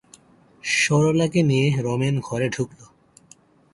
সরলাকে নিয়ে রমেন ঘরে ঢুকল।